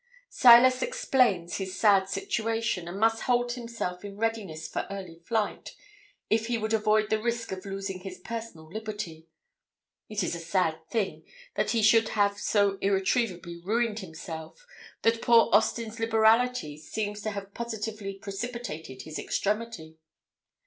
Silas explains his sad situation, and must hold himself in readiness for early flight, if he would avoid the risk of losing his personal liberty. It is a sad thing that he should have so irretrievably ruined himself, that poor Austin's liberality seems to have positively precipitated his extremity.